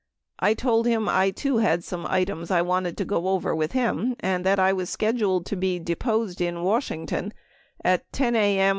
I told him I too had some items I wanted to go over with him and that I was scheduled to be deposed in Washington at 10 a.m.